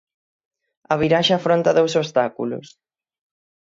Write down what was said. A viraxe afronta dous obstáculos.